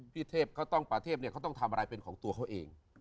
เทพเขาต้องประเทพเนี่ยเขาต้องทำอะไรเป็นของตัวเขาเอง